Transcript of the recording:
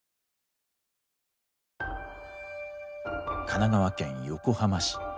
神奈川県横浜市。